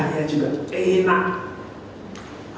gajah ini juga enak